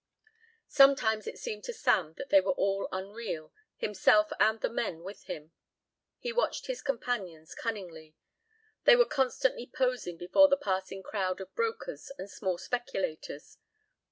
Sometimes it seemed to Sam that they were all unreal, himself and the men with him. He watched his companions cunningly. They were constantly posing before the passing crowd of brokers and small speculators.